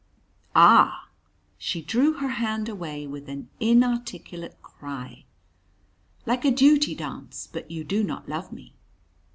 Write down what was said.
"Ah!" She drew her hand away with an inarticulate cry. "Like a duty dance, but you do not love me?"